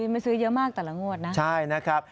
ไม่ซื้อเยอะมากแต่งงวดนะ